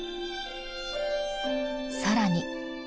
更に。